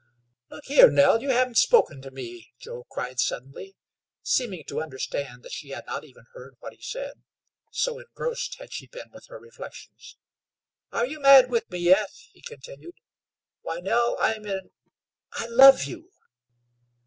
"Look here, Nell, you haven't spoken to me," Joe cried suddenly, seeming to understand that she had not even heard what he said, so engrossed had she been with her reflections. "Are you mad with me yet?" he continued. "Why, Nell, I'm in I love you!"